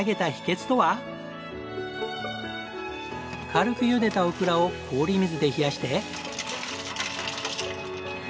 軽く茹でたオクラを氷水で冷やして。